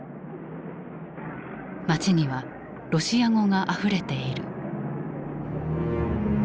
町にはロシア語があふれている。